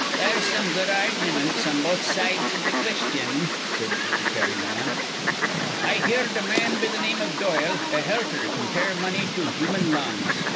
"There's some good argumints on both sides iv th' quisthion," said the Kerry man. "I heerd a man be th' name of Doyle, a helper, compare money to th' human lungs."